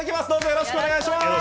よろしくお願いします。